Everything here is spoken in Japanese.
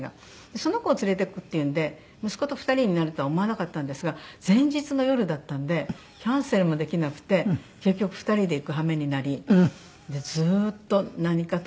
その子を連れていくっていうんで息子と２人になるとは思わなかったんですが前日の夜だったんでキャンセルもできなくて結局２人で行くはめになりずっと何かと。